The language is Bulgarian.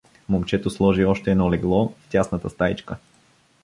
Момчето сложи още едно легло в тясната стаичка.